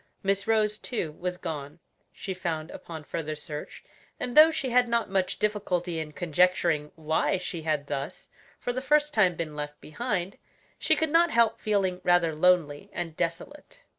Miss Rose, too, was gone, she found upon further search, and though she had not much difficulty in conjecturing why she had thus, for the first time, been left behind, she could not help feeling rather lonely and desolate.